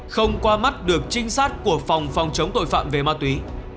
không qua mắt được trinh sát của phòng phòng chống tội phạm về ma túy